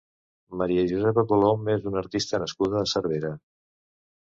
Maria Josepa Colom és una artista nascuda a Cervera.